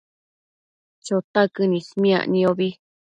Chotaquën ismiac niombi